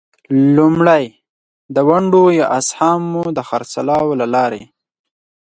لومړی: د ونډو یا اسهامو د خرڅلاو له لارې.